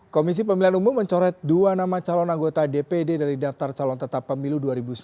komisi pemilihan umum mencoret dua nama calon anggota dpd dari daftar calon tetap pemilu dua ribu sembilan belas